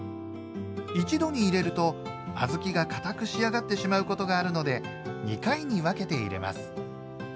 一度に入れると小豆がかたく仕上がってしまうことがあるので２回に分けて入れます。